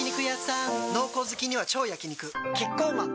濃厚好きには超焼肉キッコーマン